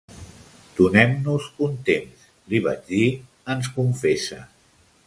Donem-nos un temps, li vaig dir —ens confessa.